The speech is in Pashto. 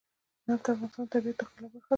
نفت د افغانستان د طبیعت د ښکلا برخه ده.